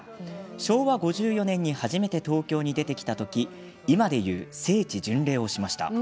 昭和５４年に初めて東京に出てきた時今でいう聖地巡礼をしました。